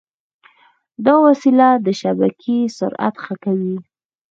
دا وسیله د شبکې سرعت ښه کوي.